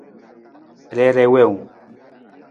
Rere wiwung.